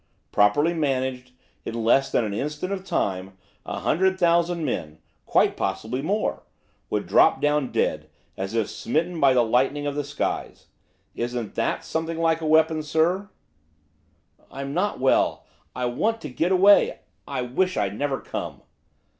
Properly managed, in less than an instant of time, a hundred thousand men, quite possibly more! would drop down dead, as if smitten by the lightning of the skies. Isn't that something like a weapon, sir?' 'I'm not well! I want to get away! I wish I'd never come!